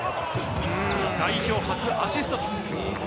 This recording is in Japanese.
代表初アシスト。